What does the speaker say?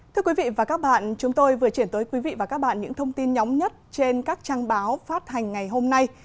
thưa quý vị và các bạn chúng tôi vừa chuyển tới quý vị và các bạn những thông tin nhóm nhất trên các trang báo phát hành ngày hôm nay